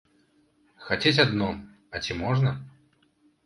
Хацець адно, а ці можна?